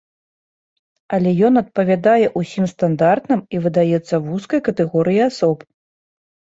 Але ён адпавядае ўсім стандартам і выдаецца вузкай катэгорыі асоб.